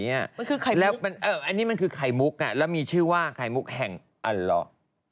มันคือไข่มุกอันนี้มันคือไข่มุกแล้วมีชื่อว่าไข่มุกแห่งอัลลอร์